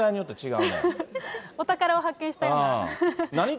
お宝を発見したような。